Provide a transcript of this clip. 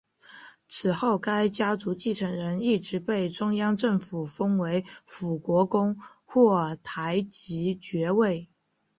此后该家族继承人一直被中央政府封为辅国公或台吉爵位。